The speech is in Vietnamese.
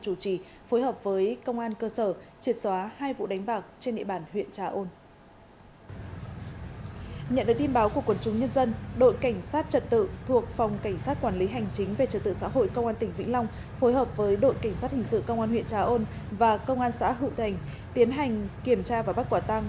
phối hợp với đội cảnh sát hình sự công an huyện trà ôn và công an xã hữu thành tiến hành kiểm tra và bắt quả tăng